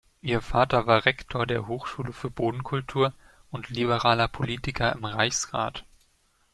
Ihr Vater war Rektor der Hochschule für Bodenkultur und liberaler Politiker im Reichsrat.